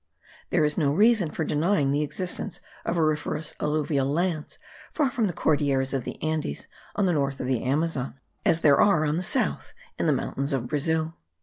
There is no reason for denying the existence of auriferous alluvial lands far from the Cordilleras of the Andes on the north of the Amazon; as there are on the south in the mountains of Brazil.